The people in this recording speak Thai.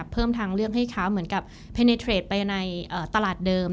เพิ่มทางเลือกให้เขาเพ้นเทรเทรดไปในตลาดเดิม